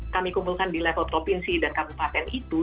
kami kumpulkan di level provinsi dan kabupaten itu